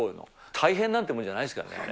大変なんてものじゃないですからね。